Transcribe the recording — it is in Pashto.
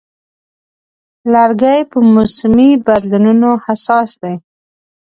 لرګی په موسمي بدلونونو حساس دی.